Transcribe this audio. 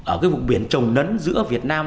ở vùng biển trồng nấn giữa việt nam